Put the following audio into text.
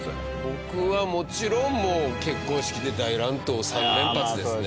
僕はもちろん結婚式で大乱闘３連発ですね。